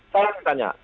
saya yang ditanya